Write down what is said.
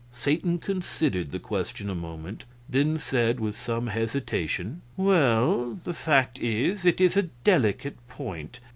Satan considered the question a moment, then said, with some hesitation: "Well, the fact is, it is a delicate point.